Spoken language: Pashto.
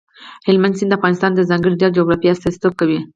هلمند سیند د افغانستان د ځانګړي ډول جغرافیه استازیتوب کوي.